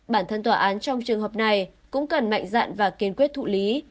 bản thân tòa án trong trường hợp này cũng cần mạnh dạn và kiên quyết thụ lý